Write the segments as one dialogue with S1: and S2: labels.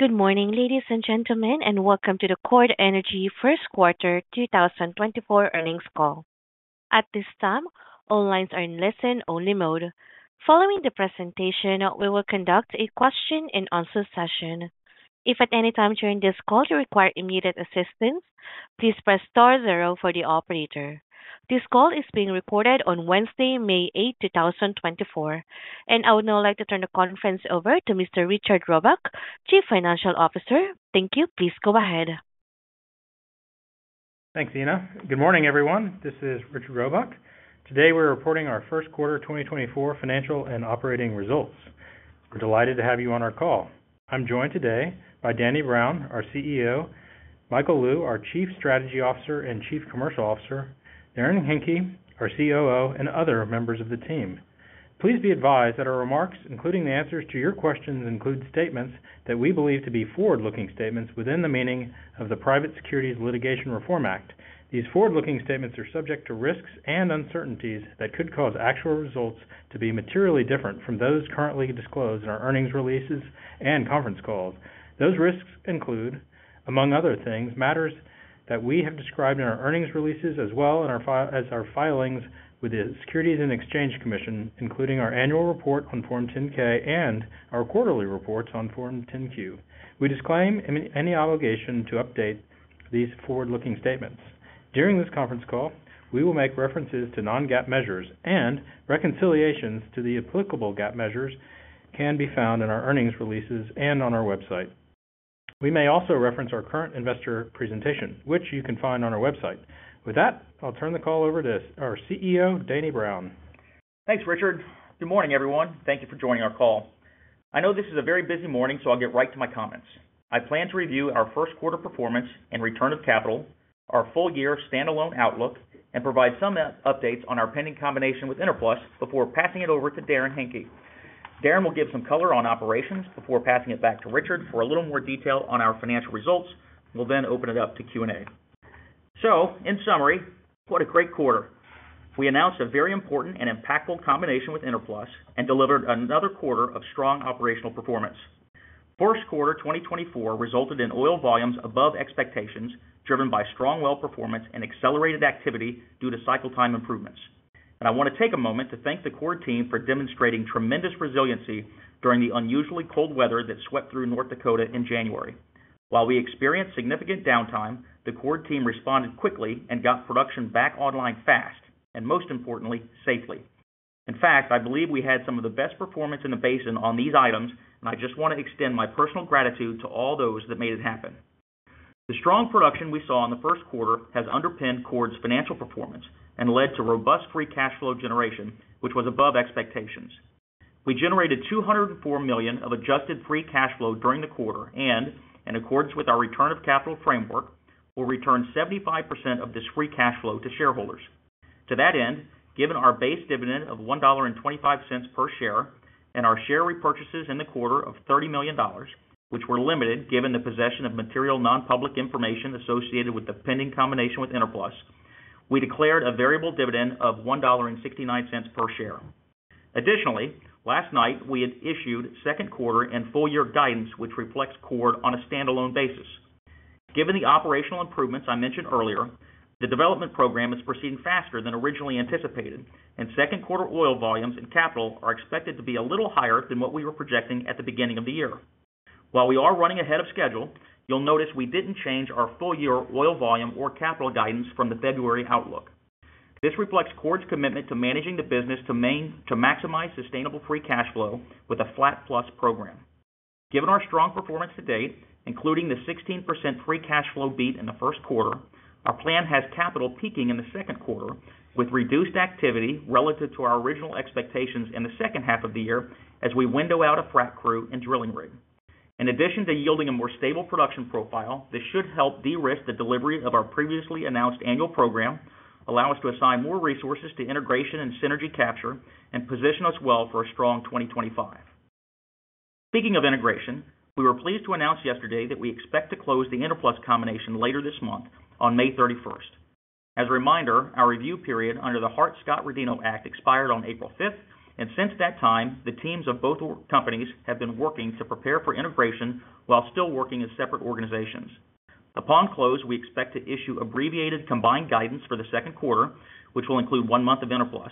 S1: Good morning, ladies and gentlemen, and welcome to the Chord Energy first quarter 2024 earnings call. At this time, all lines are in listen-only mode. Following the presentation, we will conduct a question-and-answer session. If at any time during this call you require immediate assistance, please press star zero for the operator. This call is being recorded on Wednesday, May 8, 2024, and I would now like to turn the conference over to Mr. Richard Robuck, Chief Financial Officer. Thank you, please go ahead.
S2: Thanks, Ina. Good morning, everyone. This is Richard Robuck. Today we're reporting our first quarter 2024 financial and operating results. We're delighted to have you on our call. I'm joined today by Danny Brown, our CEO, Michael Lou, our Chief Strategy Officer and Chief Commercial Officer, Darrin Henke, our COO, and other members of the team. Please be advised that our remarks, including the answers to your questions, include statements that we believe to be forward-looking statements within the meaning of the Private Securities Litigation Reform Act. These forward-looking statements are subject to risks and uncertainties that could cause actual results to be materially different from those currently disclosed in our earnings releases and conference calls. Those risks include, among other things, matters that we have described in our earnings releases as well as our filings with the Securities and Exchange Commission, including our annual report on Form 10-K and our quarterly reports on Form 10-Q. We disclaim any obligation to update these forward-looking statements. During this conference call, we will make references to non-GAAP measures, and reconciliations to the applicable GAAP measures can be found in our earnings releases and on our website. We may also reference our current investor presentation, which you can find on our website. With that, I'll turn the call over to our CEO, Danny Brown.
S3: Thanks, Richard. Good morning, everyone. Thank you for joining our call. I know this is a very busy morning, so I'll get right to my comments. I plan to review our first quarter performance and return of capital, our full-year standalone outlook, and provide some updates on our pending combination with Enerplus before passing it over to Darrin Henke. Darrin will give some color on operations before passing it back to Richard for a little more detail on our financial results. We'll then open it up to Q&A. So, in summary, what a great quarter. We announced a very important and impactful combination with Enerplus and delivered another quarter of strong operational performance. First quarter 2024 resulted in oil volumes above expectations, driven by strong well performance and accelerated activity due to cycle-time improvements. I want to take a moment to thank the Chord team for demonstrating tremendous resiliency during the unusually cold weather that swept through North Dakota in January. While we experienced significant downtime, the Chord team responded quickly and got production back online fast, and most importantly, safely. In fact, I believe we had some of the best performance in the basin on these items, and I just want to extend my personal gratitude to all those that made it happen. The strong production we saw in the first quarter has underpinned Chord's financial performance and led to robust free cash flow generation, which was above expectations. We generated $204 million of adjusted free cash flow during the quarter and, in accordance with our return of capital framework, will return 75% of this free cash flow to shareholders. To that end, given our base dividend of $1.25 per share and our share repurchases in the quarter of $30 million, which were limited given the possession of material nonpublic information associated with the pending combination with Enerplus, we declared a variable dividend of $1.69 per share. Additionally, last night we had issued second quarter and full-year guidance which reflects Chord on a standalone basis. Given the operational improvements I mentioned earlier, the development program is proceeding faster than originally anticipated, and second quarter oil volumes and capital are expected to be a little higher than what we were projecting at the beginning of the year. While we are running ahead of schedule, you'll notice we didn't change our full-year oil volume or capital guidance from the February outlook. This reflects Chord's commitment to managing the business to maximize sustainable free cash flow with a flat plus program. Given our strong performance to date, including the 16% free cash flow beat in the first quarter, our plan has capital peaking in the second quarter, with reduced activity relative to our original expectations in the second half of the year as we window out a frac crew and drilling rig. In addition to yielding a more stable production profile, this should help de-risk the delivery of our previously announced annual program, allow us to assign more resources to integration and synergy capture, and position us well for a strong 2025. Speaking of integration, we were pleased to announce yesterday that we expect to close the Enerplus combination later this month, on May 31st. As a reminder, our review period under the Hart-Scott-Rodino Act expired on April 5th, and since that time, the teams of both companies have been working to prepare for integration while still working as separate organizations. Upon close, we expect to issue abbreviated combined guidance for the second quarter, which will include one month of Enerplus,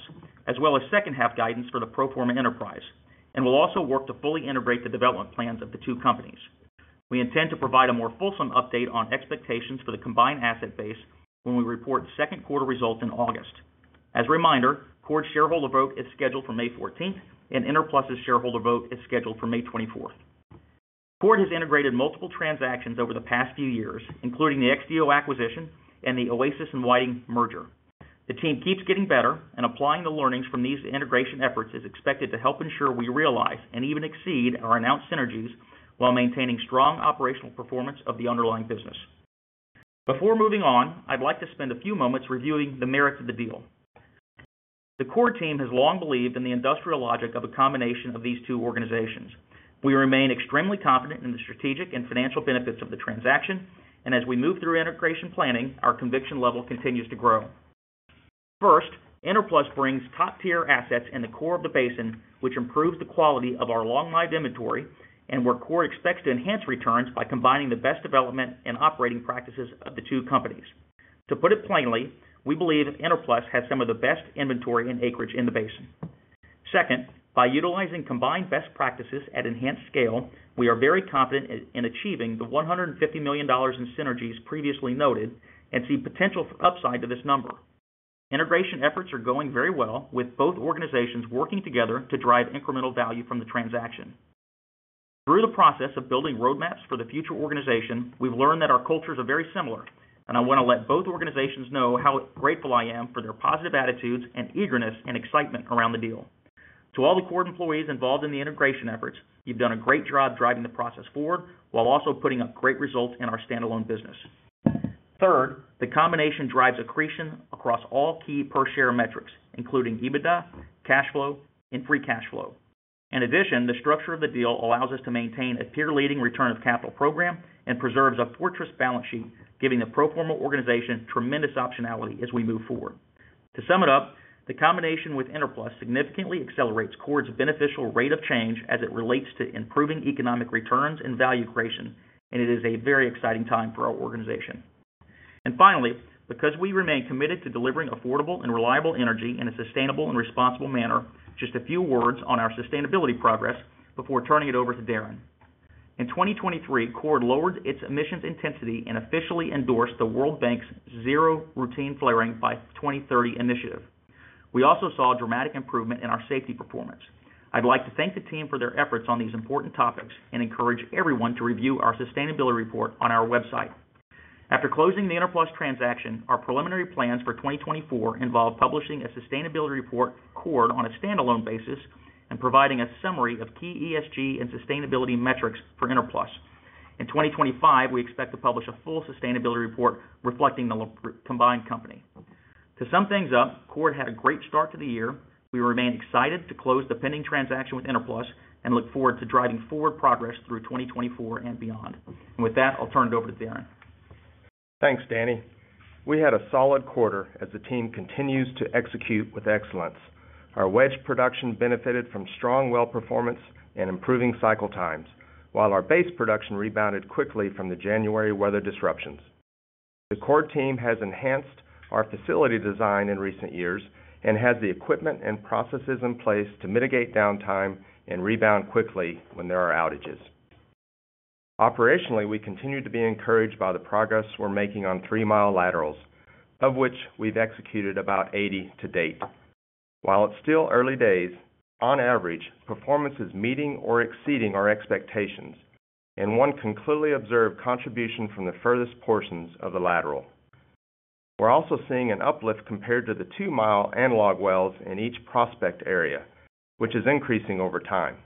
S3: as well as second-half guidance for the pro forma enterprise, and will also work to fully integrate the development plans of the two companies. We intend to provide a more fulsome update on expectations for the combined asset base when we report second quarter results in August. As a reminder, Chord's shareholder vote is scheduled for May 14th, and Enerplus's shareholder vote is scheduled for May 24th. Chord has integrated multiple transactions over the past few years, including the XTO acquisition and the Oasis and Whiting merger. The team keeps getting better, and applying the learnings from these integration efforts is expected to help ensure we realize and even exceed our announced synergies while maintaining strong operational performance of the underlying business. Before moving on, I'd like to spend a few moments reviewing the merits of the deal. The Chord team has long believed in the industrial logic of a combination of these two organizations. We remain extremely confident in the strategic and financial benefits of the transaction, and as we move through integration planning, our conviction level continues to grow. First, Enerplus brings top-tier assets in the core of the basin, which improves the quality of our long-lived inventory, and where Chord expects to enhance returns by combining the best development and operating practices of the two companies. To put it plainly, we believe Enerplus has some of the best inventory and acreage in the basin. Second, by utilizing combined best practices at enhanced scale, we are very confident in achieving the $150 million in synergies previously noted and see potential for upside to this number. Integration efforts are going very well, with both organizations working together to drive incremental value from the transaction. Through the process of building roadmaps for the future organization, we've learned that our cultures are very similar, and I want to let both organizations know how grateful I am for their positive attitudes and eagerness and excitement around the deal. To all the Chord employees involved in the integration efforts, you've done a great job driving the process forward while also putting up great results in our standalone business. Third, the combination drives accretion across all key per-share metrics, including EBITDA, cash flow, and free cash flow. In addition, the structure of the deal allows us to maintain a peer-leading return of capital program and preserves a fortress balance sheet, giving the pro forma organization tremendous optionality as we move forward. To sum it up, the combination with Enerplus significantly accelerates Chord's beneficial rate of change as it relates to improving economic returns and value creation, and it is a very exciting time for our organization. And finally, because we remain committed to delivering affordable and reliable energy in a sustainable and responsible manner, just a few words on our sustainability progress before turning it over to Darrin. In 2023, Chord lowered its emissions intensity and officially endorsed the World Bank's Zero Routine Flaring by 2030 initiative. We also saw dramatic improvement in our safety performance. I'd like to thank the team for their efforts on these important topics and encourage everyone to review our sustainability report on our website. After closing the Enerplus transaction, our preliminary plans for 2024 involve publishing a sustainability report, Chord, on a standalone basis and providing a summary of key ESG and sustainability metrics for Enerplus. In 2025, we expect to publish a full sustainability report reflecting the combined company. To sum things up, Chord had a great start to the year. We remain excited to close the pending transaction with Enerplus and look forward to driving forward progress through 2024 and beyond. With that, I'll turn it over to Darrin.
S4: Thanks, Danny. We had a solid quarter as the team continues to execute with excellence. Our wedge production benefited from strong well performance and improving cycle times, while our base production rebounded quickly from the January weather disruptions. The Chord team has enhanced our facility design in recent years and has the equipment and processes in place to mitigate downtime and rebound quickly when there are outages. Operationally, we continue to be encouraged by the progress we're making on 3-mile laterals, of which we've executed about 80 to date. While it's still early days, on average, performance is meeting or exceeding our expectations, and one can clearly observe contribution from the furthest portions of the lateral. We're also seeing an uplift compared to the 2-mile analog wells in each prospect area, which is increasing over time.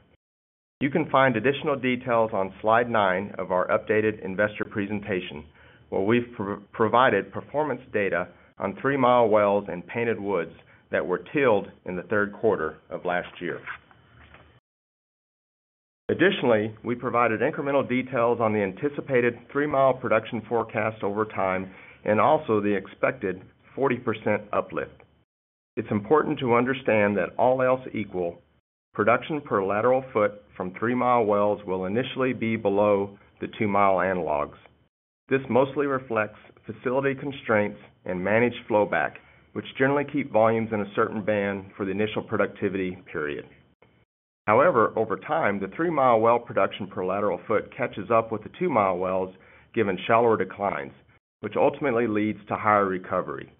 S4: You can find additional details on slide 9 of our updated investor presentation, where we've provided performance data on three-mile wells and Painted Woods that were drilled in the third quarter of last year. Additionally, we provided incremental details on the anticipated three-mile production forecast over time and also the expected 40% uplift. It's important to understand that all else equal, production per lateral foot from three-mile wells will initially be below the two-mile analogs. This mostly reflects facility constraints and managed flowback, which generally keep volumes in a certain band for the initial productivity period. However, over time, the three-mile well production per lateral foot catches up with the two-mile wells given shallower declines, which ultimately leads to higher recovery.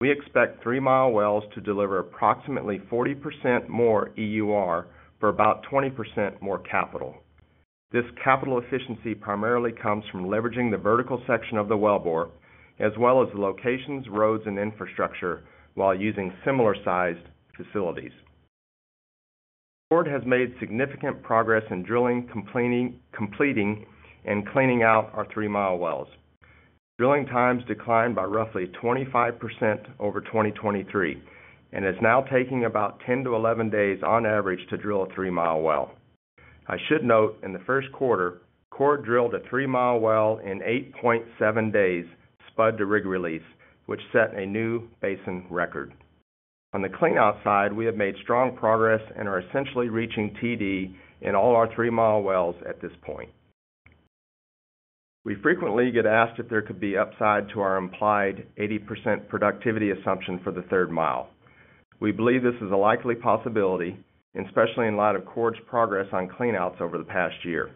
S4: We expect three-mile wells to deliver approximately 40% more EUR for about 20% more capital. This capital efficiency primarily comes from leveraging the vertical section of the wellbore as well as the locations, roads, and infrastructure while using similar-sized facilities. Chord has made significant progress in drilling, completing, and cleaning out our three-mile wells. Drilling times declined by roughly 25% over 2023 and is now taking about 10-11 days on average to drill a three-mile well. I should note, in the first quarter, Chord drilled a three-mile well in 8.7 days spud to rig release, which set a new basin record. On the clean-out side, we have made strong progress and are essentially reaching TD in all our three-mile wells at this point. We frequently get asked if there could be upside to our implied 80% productivity assumption for the third mile. We believe this is a likely possibility, especially in light of Chord's progress on clean-outs over the past year.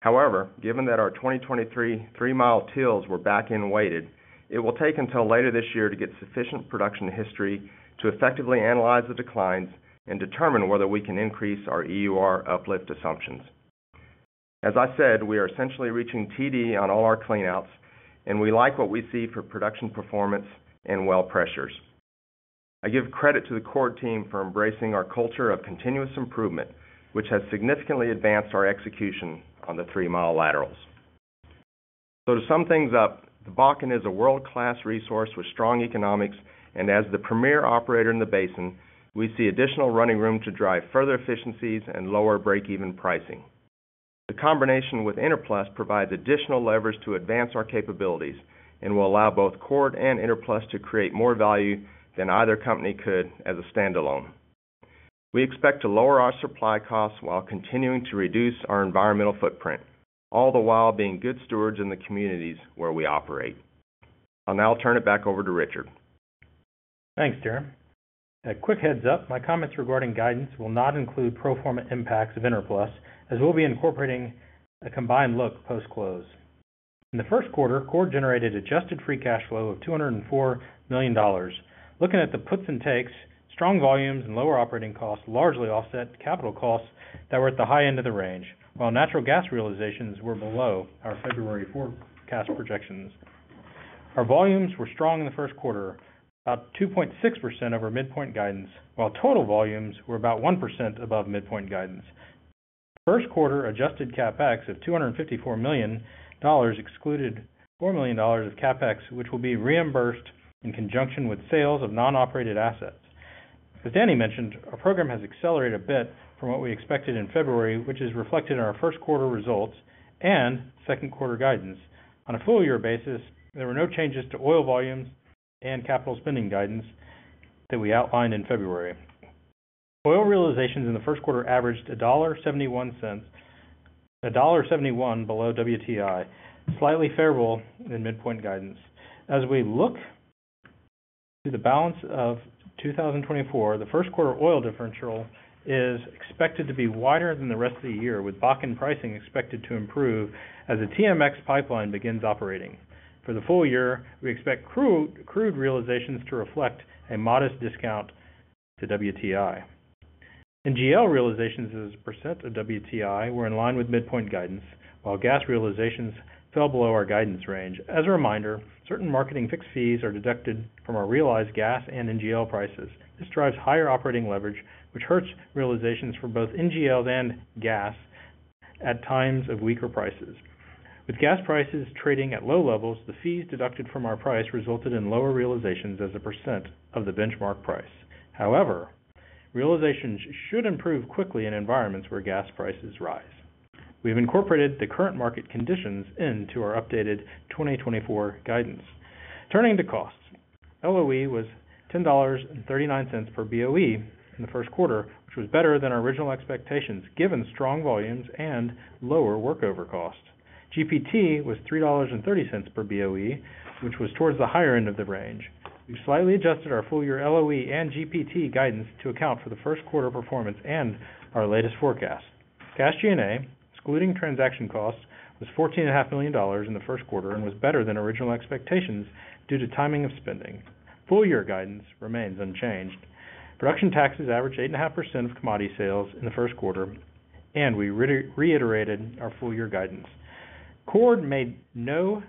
S4: However, given that our 2023 three-mile laterals were back-end weighted, it will take until later this year to get sufficient production history to effectively analyze the declines and determine whether we can increase our EUR uplift assumptions. As I said, we are essentially reaching TD on all our clean-outs, and we like what we see for production performance and well pressures. I give credit to the Chord team for embracing our culture of continuous improvement, which has significantly advanced our execution on the three-mile laterals. So, to sum things up, the Bakken is a world-class resource with strong economics, and as the premier operator in the basin, we see additional running room to drive further efficiencies and lower break-even pricing. The combination with Enerplus provides additional levers to advance our capabilities and will allow both Chord and Enerplus to create more value than either company could as a standalone. We expect to lower our supply costs while continuing to reduce our environmental footprint, all the while being good stewards in the communities where we operate. I'll now turn it back over to Richard.
S2: Thanks, Darrin. A quick heads-up: my comments regarding guidance will not include pro forma impacts of Enerplus, as we'll be incorporating a combined look post-close. In the first quarter, Chord generated adjusted free cash flow of $204 million. Looking at the puts and takes, strong volumes and lower operating costs largely offset capital costs that were at the high end of the range, while natural gas realizations were below our February forecast projections. Our volumes were strong in the first quarter, about 2.6% over midpoint guidance, while total volumes were about 1% above midpoint guidance. First quarter adjusted capex of $254 million excluded $4 million of capex, which will be reimbursed in conjunction with sales of non-operated assets. As Danny mentioned, our program has accelerated a bit from what we expected in February, which is reflected in our first quarter results and second quarter guidance. On a full-year basis, there were no changes to oil volumes and capital spending guidance that we outlined in February. Oil realizations in the first quarter averaged $1.71 below WTI, slightly favorable than midpoint guidance. As we look to the balance of 2024, the first quarter oil differential is expected to be wider than the rest of the year, with Bakken pricing expected to improve as the TMX pipeline begins operating. For the full year, we expect crude realizations to reflect a modest discount to WTI. NGL realizations as a percent of WTI were in line with midpoint guidance, while gas realizations fell below our guidance range. As a reminder, certain marketing fixed fees are deducted from our realized gas and NGL prices. This drives higher operating leverage, which hurts realizations for both NGLs and gas at times of weaker prices. With gas prices trading at low levels, the fees deducted from our price resulted in lower realizations as a percent of the benchmark price. However, realizations should improve quickly in environments where gas prices rise. We have incorporated the current market conditions into our updated 2024 guidance. Turning to costs, LOE was $10.39 per BOE in the first quarter, which was better than our original expectations given strong volumes and lower workover costs. GPT was $3.30 per BOE, which was towards the higher end of the range. We've slightly adjusted our full-year LOE and GPT guidance to account for the first quarter performance and our latest forecast. Cash G&A, excluding transaction costs, was $14.5 million in the first quarter and was better than original expectations due to timing of spending. Full-year guidance remains unchanged. Production taxes average 8.5% of commodity sales in the first quarter, and we reiterated our full-year guidance. Chord made no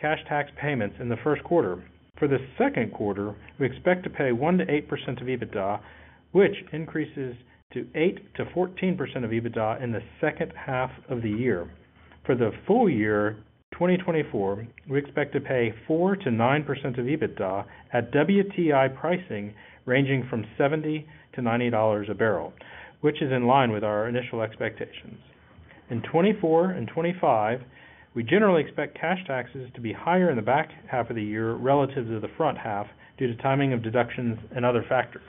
S2: cash tax payments in the first quarter. For the second quarter, we expect to pay 1%-8% of EBITDA, which increases to 8%-14% of EBITDA in the second half of the year. For the full year 2024, we expect to pay 4%-9% of EBITDA at WTI pricing ranging from $70-$90 a barrel, which is in line with our initial expectations. In 2024 and 2025, we generally expect cash taxes to be higher in the back half of the year relative to the front half due to timing of deductions and other factors.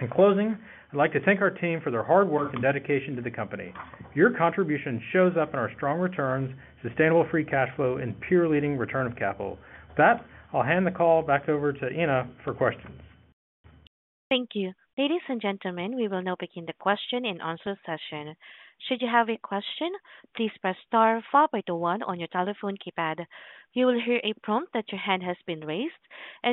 S2: In closing, I'd like to thank our team for their hard work and dedication to the company. Your contribution shows up in our strong returns, sustainable free cash flow, and peer-leading return of capital. With that, I'll hand the call back over to Ina for questions.
S1: Thank you. Ladies and gentlemen, we will now begin the question and answer session. Should you have a question, please press star followed by the 1 on your telephone keypad. You will hear a prompt that your hand has been raised.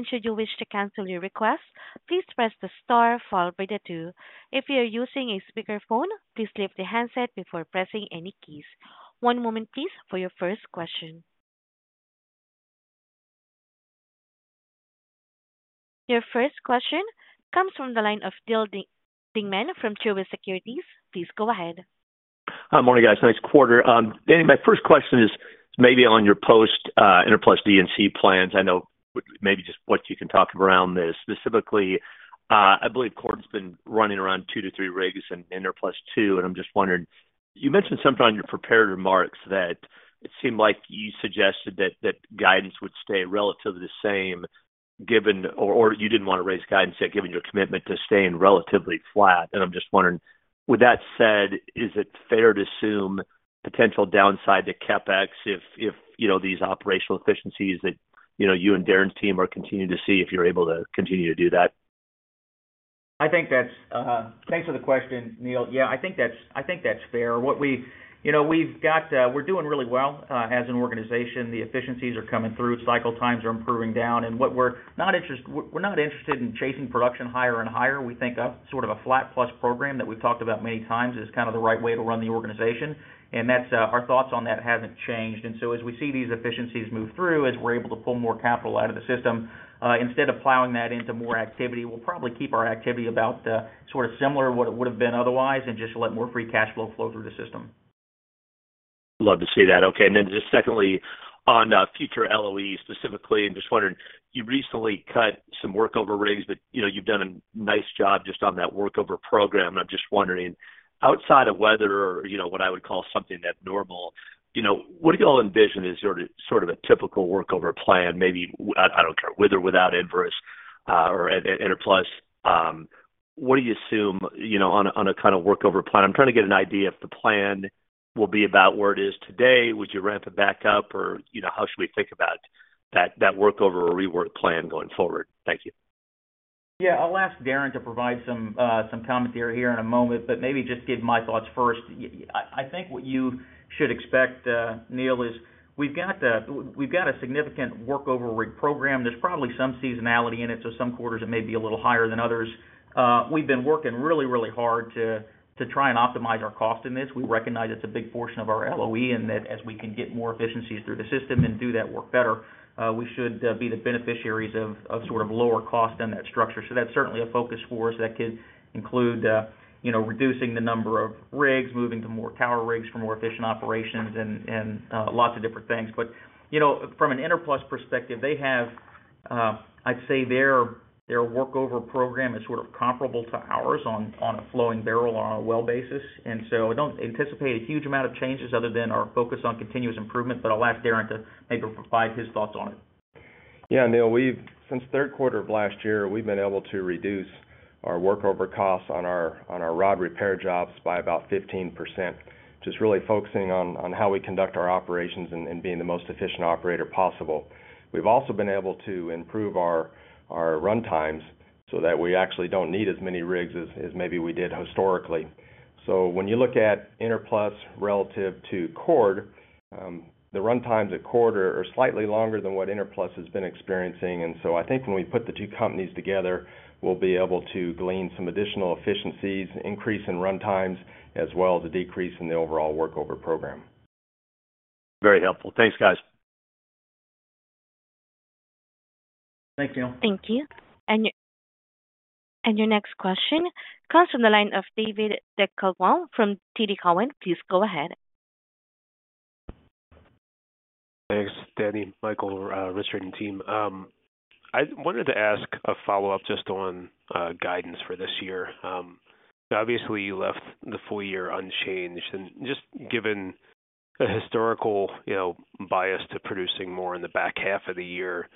S1: Should you wish to cancel your request, please press the star followed by the 2. If you are using a speakerphone, please leave the handset before pressing any keys. One moment, please, for your first question. Your first question comes from the line of Neal Dingmann from Truist Securities. Please go ahead.
S5: Morning, guys. Nice quarter. Danny, my first question is maybe on your post-Enerplus D&C plans. I know maybe just what you can talk around this. Specifically, I believe Chord's been running around 2-3 rigs end Enerplus two, and I'm just wondering you mentioned something on your prepared remarks that it seemed like you suggested that guidance would stay relatively the same given or you didn't want to raise guidance yet given your commitment to staying relatively flat. And I'm just wondering, with that said, is it fair to assume potential downside to CapEx if these operational efficiencies that you and Darrin's team are continuing to see if you're able to continue to do that?
S3: I think that's thanks for the question, Neal. Yeah, I think that's fair. What we've got, we're doing really well as an organization. The efficiencies are coming through. Cycle times are improving down. And what we're not interested in chasing production higher and higher. We think sort of a flat-plus program that we've talked about many times is kind of the right way to run the organization. And our thoughts on that haven't changed. And so, as we see these efficiencies move through, as we're able to pull more capital out of the system, instead of plowing that into more activity, we'll probably keep our activity about sort of similar to what it would have been otherwise and just let more free cash flow flow through the system.
S5: Love to see that. Okay. And then just secondly, on future LOE specifically, I'm just wondering, you recently cut some workover rigs, but you've done a nice job just on that workover program. And I'm just wondering, outside of weather or what I would call something abnormal, what do you all envision as sort of a typical workover plan? Maybe I don't care, with or without Enerplus. What do you assume on a kind of workover plan? I'm trying to get an idea if the plan will be about where it is today. Would you ramp it back up, or how should we think about that workover or rework plan going forward? Thank you.
S3: Yeah. I'll ask Darrin to provide some commentary here in a moment, but maybe just give my thoughts first. I think what you should expect, Neal, is we've got a significant workover rig program. There's probably some seasonality in it, so some quarters it may be a little higher than others. We've been working really, really hard to try and optimize our cost in this. We recognize it's a big portion of our LOE and that as we can get more efficiencies through the system and do that work better, we should be the beneficiaries of sort of lower cost on that structure. So that's certainly a focus for us that could include reducing the number of rigs, moving to more tower rigs for more efficient operations, and lots of different things. From an Enerplus perspective, I'd say their workover program is sort of comparable to ours on a flowing barrel or on a well basis. So I don't anticipate a huge amount of changes other than our focus on continuous improvement. But I'll ask Darrin to maybe provide his thoughts on it.
S4: Yeah, Neal. Since third quarter of last year, we've been able to reduce our workover costs on our rod repair jobs by about 15%, just really focusing on how we conduct our operations and being the most efficient operator possible. We've also been able to improve our run times so that we actually don't need as many rigs as maybe we did historically. So when you look at Enerplus relative to Chord, the run times at Chord are slightly longer than what Enerplus has been experiencing. And so I think when we put the two companies together, we'll be able to glean some additional efficiencies, increase in run times, as well as a decrease in the overall workover program.
S5: Very helpful. Thanks, guys.
S3: Thanks, Neal.
S1: Thank you. Your next question comes from the line of David Deckelbaum from TD Cowen. Please go ahead.
S6: Thanks, Danny, Michael, Richard, and team. I wanted to ask a follow-up just on guidance for this year. Obviously, you left the full year unchanged. Just given a historical bias to producing more in the back half of the year,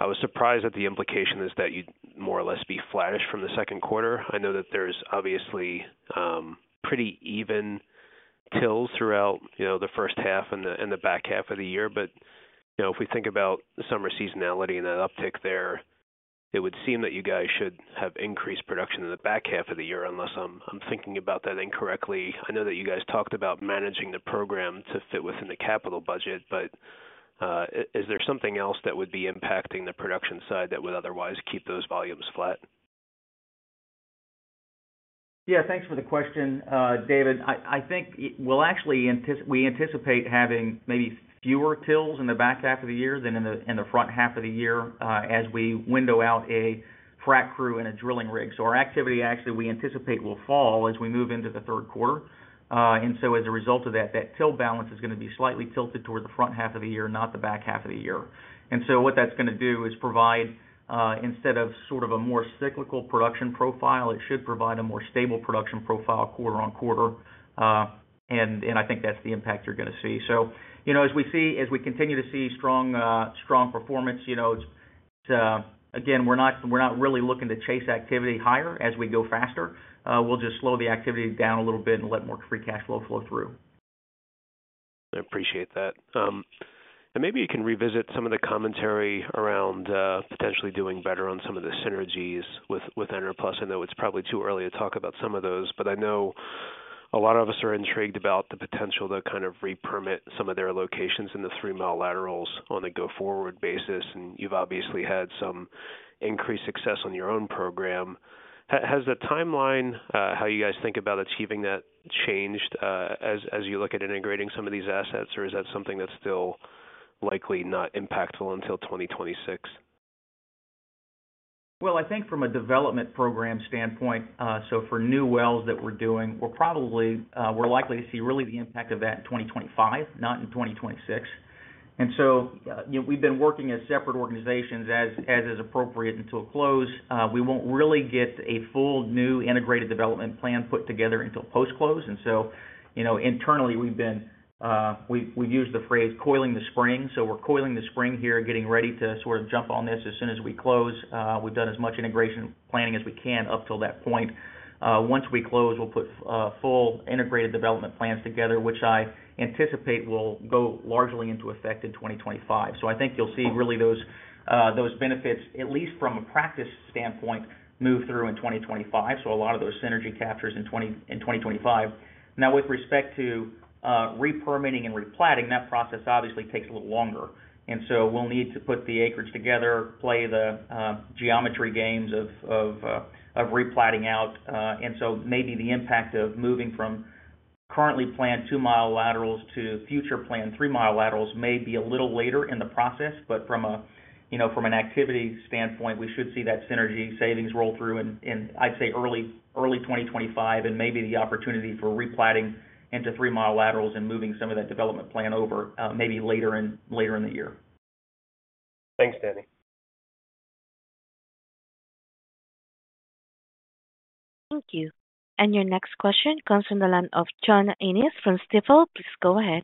S6: I was surprised at the implication is that you'd more or less be flattish from the second quarter. I know that there's obviously pretty even splits throughout the first half and the back half of the year. If we think about summer seasonality and that uptick there, it would seem that you guys should have increased production in the back half of the year, unless I'm thinking about that incorrectly. I know that you guys talked about managing the program to fit within the capital budget, but is there something else that would be impacting the production side that would otherwise keep those volumes flat?
S3: Yeah, thanks for the question, David. I think we'll actually anticipate having maybe fewer wells in the back half of the year than in the front half of the year as we wind down a frac crew and a drilling rig. So our activity, actually, we anticipate will fall as we move into the third quarter. And so, as a result of that, that well balance is going to be slightly tilted toward the front half of the year, not the back half of the year. And so what that's going to do is provide instead of sort of a more cyclical production profile, it should provide a more stable production profile quarter on quarter. And I think that's the impact you're going to see. So as we continue to see strong performance, again, we're not really looking to chase activity higher as we go faster. We'll just slow the activity down a little bit and let more free cash flow flow through.
S6: I appreciate that. Maybe you can revisit some of the commentary around potentially doing better on some of the synergies with Enerplus. I know it's probably too early to talk about some of those, but I know a lot of us are intrigued about the potential to kind of repermit some of their locations in the three-mile laterals on a go-forward basis. You've obviously had some increased success on your own program. Has the timeline, how you guys think about achieving that, changed as you look at integrating some of these assets, or is that something that's still likely not impactful until 2026?
S3: Well, I think from a development program standpoint, so for new wells that we're doing, we're likely to see really the impact of that in 2025, not in 2026. And so we've been working as separate organizations as is appropriate until close. We won't really get a full new integrated development plan put together until post-close. And so, internally, we've used the phrase "coiling the spring." So we're coiling the spring here, getting ready to sort of jump on this as soon as we close. We've done as much integration planning as we can up till that point. Once we close, we'll put full integrated development plans together, which I anticipate will go largely into effect in 2025. So I think you'll see really those benefits, at least from a practice standpoint, move through in 2025. So a lot of those synergy captures in 2025. Now, with respect to repermitting and replatting, that process obviously takes a little longer. And so we'll need to put the acreage together, play the geometry games of replatting out. And so maybe the impact of moving from currently planned two-mile laterals to future planned three-mile laterals may be a little later in the process. But from an activity standpoint, we should see that synergy savings roll through in, I'd say, early 2025 and maybe the opportunity for replatting into three-mile laterals and moving some of that development plan over maybe later in the year.
S5: Thanks, Danny.
S1: Thank you. Your next question comes from the line of John Annis from Stifel. Please go ahead.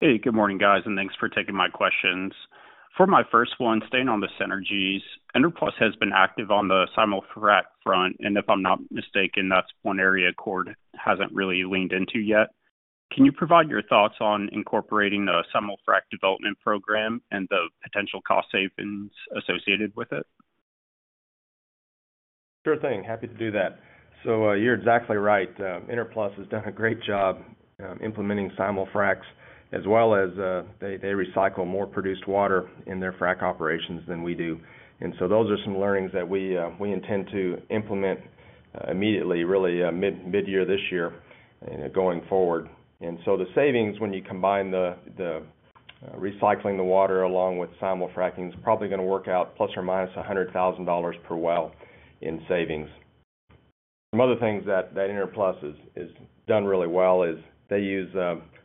S7: Hey, good morning, guys, and thanks for taking my questions. For my first one, staying on the synergies, Enerplus has been active on the simultaneous frac front. And if I'm not mistaken, that's one area Chord hasn't really leaned into yet. Can you provide your thoughts on incorporating the simultaneous frac development program and the potential cost savings associated with it?
S4: Sure thing. Happy to do that. So you're exactly right. Enerplus has done a great job implementing simultaneous fracs, as well as they recycle more produced water in their frac operations than we do. And so those are some learnings that we intend to implement immediately, really mid-year this year going forward. And so the savings, when you combine the recycling the water along with simultaneous fracking, is probably going to work out ±$100,000 per well in savings. Some other things that Enerplus has done really well is they use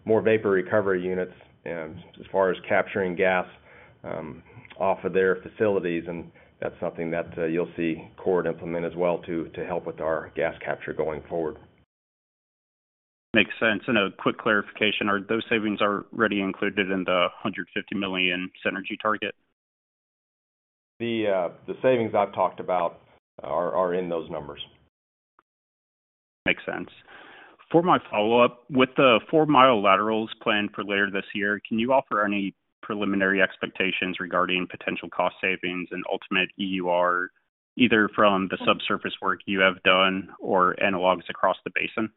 S4: more vapor recovery units as far as capturing gas off of their facilities. And that's something that you'll see Chord implement as well to help with our gas capture going forward.
S7: Makes sense. And a quick clarification, are those savings already included in the $150 million synergy target?
S4: The savings I've talked about are in those numbers.
S7: Makes sense. For my follow-up, with the 4-Mile Laterals planned for later this year, can you offer any preliminary expectations regarding potential cost savings and ultimate EUR, either from the subsurface work you have done or analogs across the basin?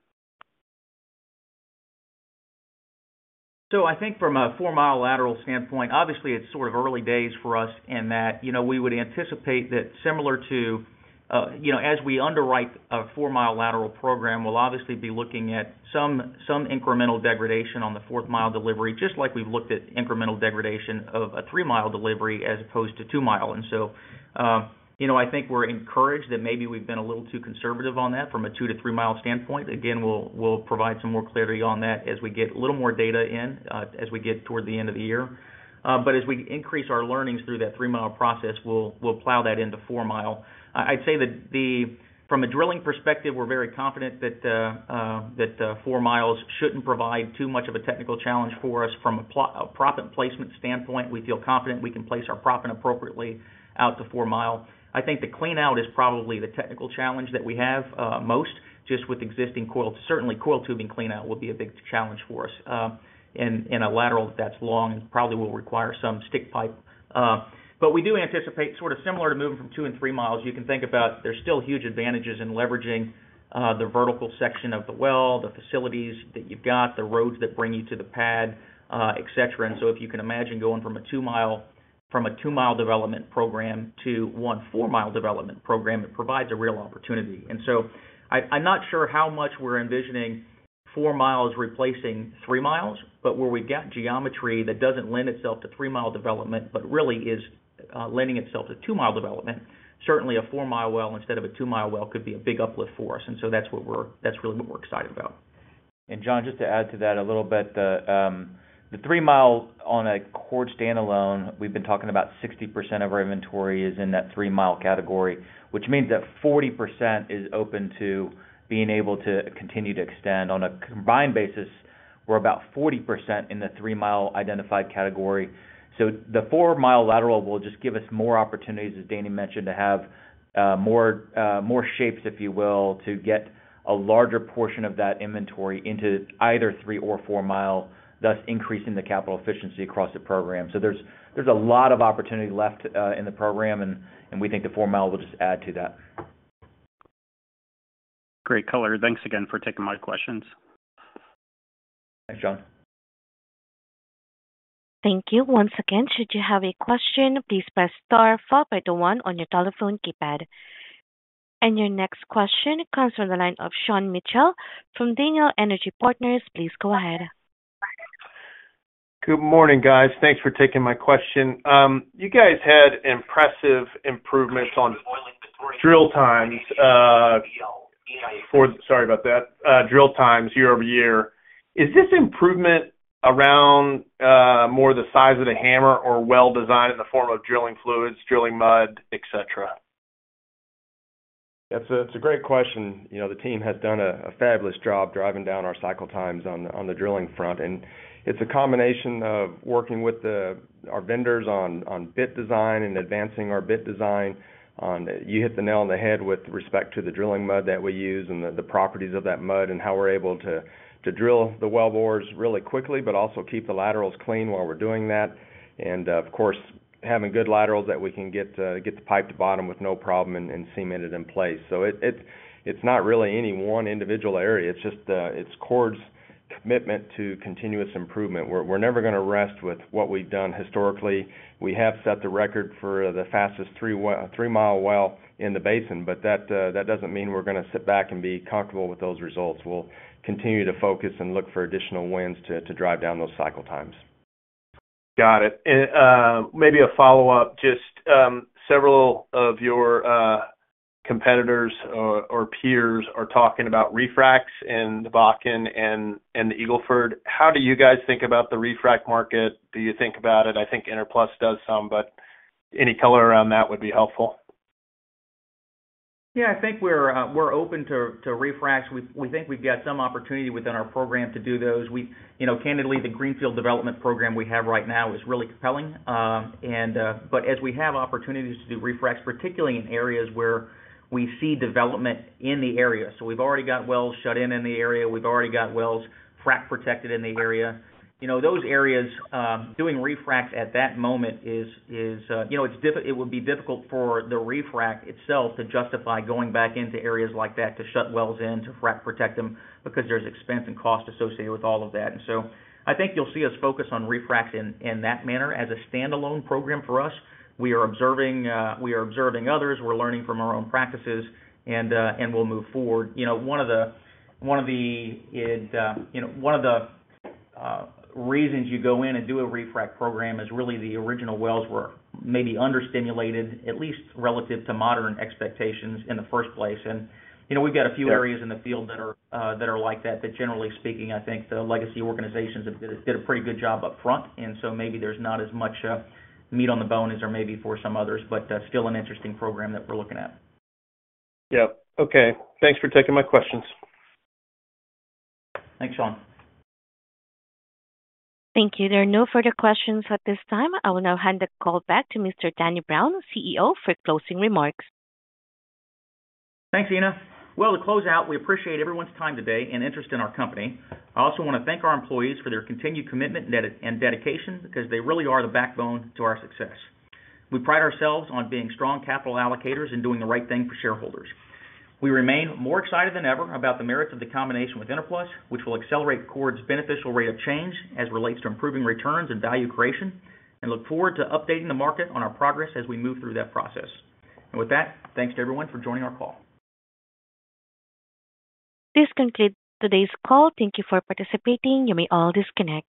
S3: So I think from a 4-mile lateral standpoint, obviously, it's sort of early days for us in that we would anticipate that similar to as we underwrite a 4-mile lateral program, we'll obviously be looking at some incremental degradation on the 4-mile delivery, just like we've looked at incremental degradation of a 3-mile delivery as opposed to 2-mile. And so I think we're encouraged that maybe we've been a little too conservative on that from a 2- to 3-mile standpoint. Again, we'll provide some more clarity on that as we get a little more data in, as we get toward the end of the year. But as we increase our learnings through that 3-mile process, we'll plow that into 4-mile. I'd say that from a drilling perspective, we're very confident that 4 miles shouldn't provide too much of a technical challenge for us. From a profit placement standpoint, we feel confident we can place our profit appropriately out to 4-mile. I think the cleanout is probably the technical challenge that we have most, just with existing coil. Certainly, coil tubing cleanout will be a big challenge for us in a lateral that's long and probably will require some stick pipe. But we do anticipate sort of similar to moving from 2 and 3 miles, you can think about there's still huge advantages in leveraging the vertical section of the well, the facilities that you've got, the roads that bring you to the pad, etc. And so if you can imagine going from a 2-mile development program to one 4-mile development program, it provides a real opportunity. I'm not sure how much we're envisioning 4 miles replacing 3 miles, but where we've got geometry that doesn't lend itself to 3-mile development but really is lending itself to 2-mile development, certainly a 4-mile well instead of a 2-mile well could be a big uplift for us. That's really what we're excited about.
S8: John, just to add to that a little bit, the three-mile, on a Chord standalone, we've been talking about 60% of our inventory is in that three-mile category, which means that 40% is open to being able to continue to extend. On a combined basis, we're about 40% in the three-mile identified category. So the four-mile lateral will just give us more opportunities, as Danny mentioned, to have more shapes, if you will, to get a larger portion of that inventory into either three or four mile, thus increasing the capital efficiency across the program. So there's a lot of opportunity left in the program, and we think the four-mile will just add to that.
S7: Great color. Thanks again for taking my questions.
S8: Thanks, John.
S1: Thank you once again. Should you have a question, please press star followed by the 1 on your telephone keypad. Your next question comes from the line of Sean Mitchell from Daniel Energy Partners. Please go ahead.
S9: Good morning, guys. Thanks for taking my question. You guys had impressive improvements on drill times year over year. Is this improvement around more the size of the hammer or well design in the form of drilling fluids, drilling mud, etc.?
S4: Yeah, it's a great question. The team has done a fabulous job driving down our cycle times on the drilling front. And it's a combination of working with our vendors on bit design and advancing our bit design. You hit the nail on the head with respect to the drilling mud that we use and the properties of that mud and how we're able to drill the well bores really quickly but also keep the laterals clean while we're doing that. And, of course, having good laterals that we can get the pipe to bottom with no problem and cement it in place. So it's not really any one individual area. It's Chord's commitment to continuous improvement. We're never going to rest with what we've done historically. We have set the record for the fastest 3-mile well in the basin, but that doesn't mean we're going to sit back and be comfortable with those results. We'll continue to focus and look for additional wins to drive down those cycle times.
S9: Got it. Maybe a follow-up. Just several of your competitors or peers are talking about refracs in the Bakken and the Eagle Ford. How do you guys think about the refrac market? Do you think about it? I think Enerplus does some, but any color around that would be helpful.
S3: Yeah, I think we're open to refracs. We think we've got some opportunity within our program to do those. Candidly, the greenfield development program we have right now is really compelling. But as we have opportunities to do refracs, particularly in areas where we see development in the area, so we've already got wells shut in in the area. We've already got wells frac protected in the area. Those areas, doing refracs at that moment is it would be difficult for the refrac itself to justify going back into areas like that to shut wells in, to frac protect them because there's expense and cost associated with all of that. And so I think you'll see us focus on refracs in that manner. As a standalone program for us, we are observing others. We're learning from our own practices, and we'll move forward. One of the reasons you go in and do a refrac program is really the original wells were maybe understimulated, at least relative to modern expectations in the first place. And we've got a few areas in the field that are like that. But generally speaking, I think the legacy organizations have did a pretty good job up front. And so maybe there's not as much meat on the bone as there may be for some others, but still an interesting program that we're looking at.
S9: Yeah. Okay. Thanks for taking my questions.
S3: Thanks, Sean.
S1: Thank you. There are no further questions at this time. I will now hand the call back to Mr. Danny Brown, CEO, for closing remarks.
S3: Thanks, Ina. Well, to close out, we appreciate everyone's time today and interest in our company. I also want to thank our employees for their continued commitment and dedication because they really are the backbone to our success. We pride ourselves on being strong capital allocators and doing the right thing for shareholders. We remain more excited than ever about the merits of the combination with Enerplus, which will accelerate Chord's beneficial rate of change as relates to improving returns and value creation, and look forward to updating the market on our progress as we move through that process. With that, thanks to everyone for joining our call.
S1: This concludes today's call. Thank you for participating. You may all disconnect.